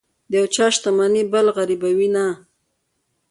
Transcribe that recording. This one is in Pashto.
د یو چا شتمني بل غریبوي نه.